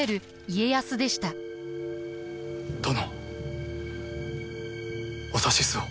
殿お指図を。